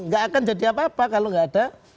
gak akan jadi apa apa kalau nggak ada